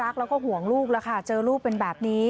รักแล้วก็หวลูกละค่ะเจอลูกเป็นแบบนี้